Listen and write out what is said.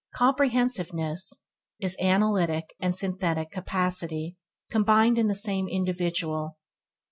Comprehensiveness is analytic and synthetic capacity combined in the same individual.